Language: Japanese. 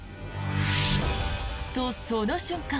と、その瞬間。